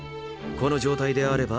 この状態であれば。